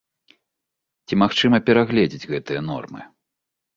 Ці магчыма перагледзець гэтыя нормы?